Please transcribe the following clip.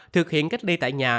thực hiện cách ly tại nhà